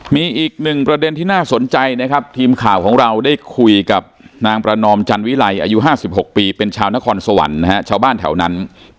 มีอีกหนึ่งประเด็นที่น่าสนใจนะครับทีมข่าวของเราได้คุยกับนางประนอมจันวิไลอายุ๕๖ปีเป็นชาวนครสวรรค์นะฮะชาวบ้านแถวนั้น